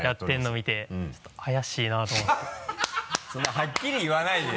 はっきり言わないでよ